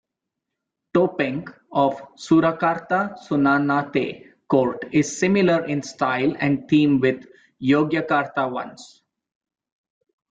Topeng of Surakarta Sunanate court is similar in style and theme with Yogyakarta ones.